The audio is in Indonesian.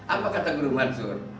apa kata guru mansur